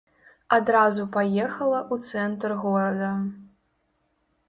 Адразу паехала ў цэнтр горада.